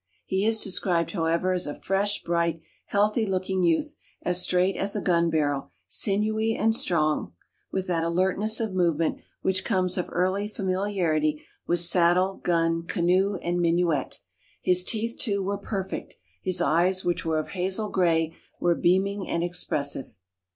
He is described, however, as a fresh, bright, healthy looking youth, as straight as a gun barrel, sinewy and strong, with that alertness of movement which comes of early familiarity with saddle, gun, canoe, and minuet. His teeth, too, were perfect. His eyes, which were of hazel gray, were beaming and expressive.